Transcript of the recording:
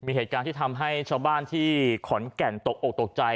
มีเหตุการณ์ที่ทำให้ชาวบ้านที่ขอนแก่นตกอกตกใจ